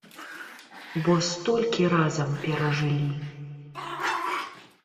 Бо столькі разам перажылі.